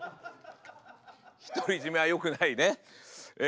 独り占めはよくないね。